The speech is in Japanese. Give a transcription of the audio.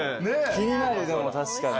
気になるでも確かに。